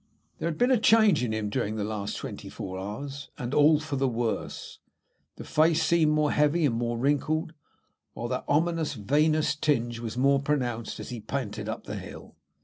There had been a change in him during the last twenty four hours, and all for the worse. The face seemed more heavy and more wrinkled, while that ominous venous tinge was more pronounced as he panted up the hill.